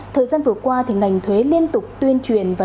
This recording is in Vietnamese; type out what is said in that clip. thời gian vừa qua ngành thuế liên tục tuyên truyền